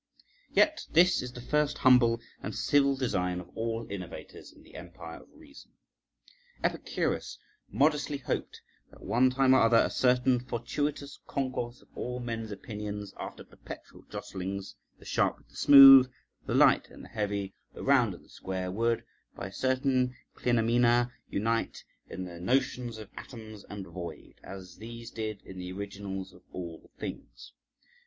Yet this is the first humble and civil design of all innovators in the empire of reason. Epicurus modestly hoped that one time or other a certain fortuitous concourse of all men's opinions, after perpetual jostlings, the sharp with the smooth, the light and the heavy, the round and the square, would, by certain clinamina, unite in the notions of atoms and void, as these did in the originals of all things.